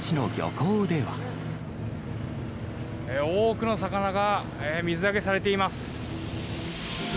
多くの魚が水揚げされています。